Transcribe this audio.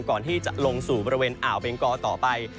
ก่อนที่จะลงสู่บริเวณอ่าวเบงกอต่อไป